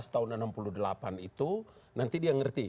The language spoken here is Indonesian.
lima belas tahun seribu sembilan ratus enam puluh delapan itu nanti dia ngerti